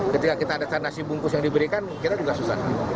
ketika kita ada tanda si bungkus yang diberikan kita juga susah